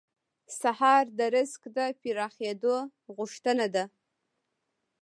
سهار د رزق د پراخېدو غوښتنه ده.